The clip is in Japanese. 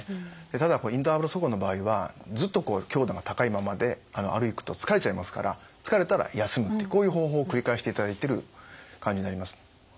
ただインターバル速歩の場合はずっと強度が高いままで歩くと疲れちゃいますから疲れたら休むというこういう方法を繰り返していただいてる感じになります。